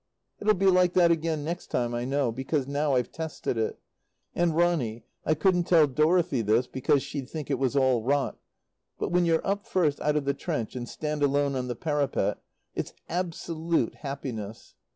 It'll be like that again next time, I know. Because now I've tested it. And, Ronny I couldn't tell Dorothy this, because she'd think it was all rot but when you're up first out of the trench and stand alone on the parapet, it's absolute happiness.